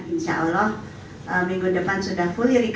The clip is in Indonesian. insya allah minggu depan sudah fully